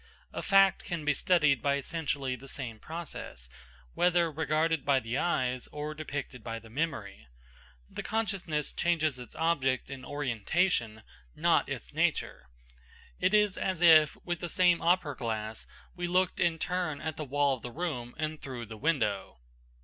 A fact can be studied by essentially the same process, whether regarded by the eyes or depicted by the memory. The consciousness changes its object and orientation, not its nature. It is as if, with the same opera glass, we looked in turn at the wall of the room and through the window.